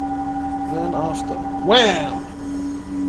Then after, Wham!